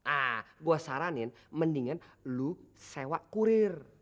ah gue saranin mendingan lo sewa kurir